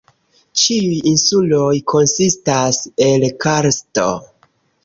Ĉiuj insuloj konsistas el karsto.